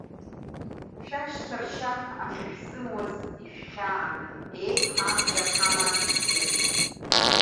Шәашьцәа ршьа ахьышәзымуаз ишәхьаан, ех, абџьар ҳамазҭгьы!